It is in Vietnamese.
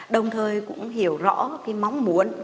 đồng thời cũng hiểu rõ mong muốn